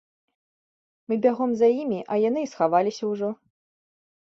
Мы бягом за імі, а яны і схаваліся ўжо.